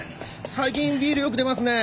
最近ビールよく出ますね。